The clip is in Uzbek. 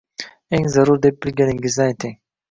Eng zarur deb bilganingizni ayting.